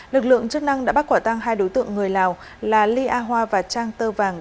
lực lượng chức năng đã bắt quả tăng hai đối tượng người lào là ly a hoa và trang tơ vàng